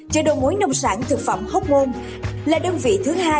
chợ đầu mối nông sản thực phẩm hốc môn là đơn vị thứ hai